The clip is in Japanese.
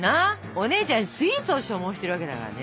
お姉ちゃんスイーツを所望してるわけだからね。